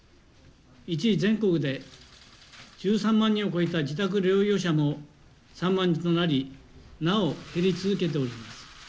一時全国で１３万人を超えた自宅療養者も３万人となり、なお減り続けております。